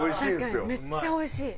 確かにめっちゃおいしい。